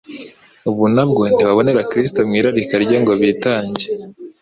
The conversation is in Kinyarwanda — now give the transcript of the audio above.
ubu nabwo ntibabonera Kristo mu irarika rye ngo bitange,